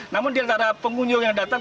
namun diantara pengunjung yang datang